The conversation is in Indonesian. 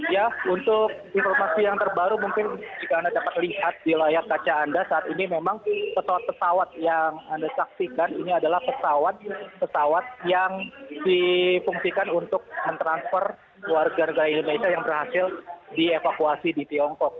ya untuk informasi yang terbaru mungkin jika anda dapat lihat di layar kaca anda saat ini memang pesawat pesawat yang anda saksikan ini adalah pesawat pesawat yang difungsikan untuk mentransfer warga negara indonesia yang berhasil dievakuasi di tiongkok